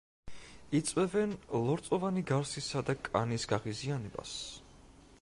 იწვევენ ლორწოვანი გარსისა და კანის გაღიზიანებას.